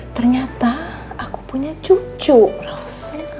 ternyata aku punya cucu ros